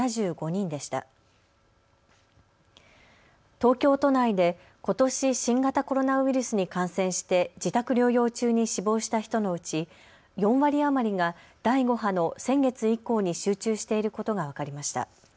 東京都内でことし新型コロナウイルスに感染して自宅療養中に死亡した人のうち４割余りが第５波の先月以降に集中していることが分かりました。